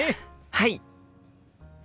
はい！